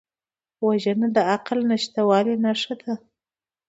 وژنه د عقل نشتوالي نښه ده